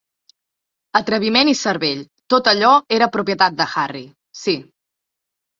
Atreviment i cervell, tot allò era propietat de Harry - sí.